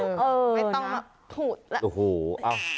ไม่ต้องถูก